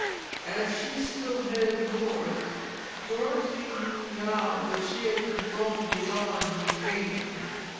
As she still headed north, Dorothy knew now that she had been blown beyond New Canaan.